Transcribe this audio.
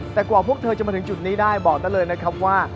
แต่กว่าพวกเธอจะมาถึงจุดนี้ได้บอกได้เลยนะครับว่า